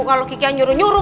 kalau kiki nyuruh nyuruh